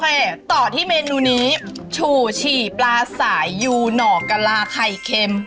โอเคต่อที่เมนูนี้ถุ่ชิปลาสายยูหน่อกำลาค์ไข่เข็ม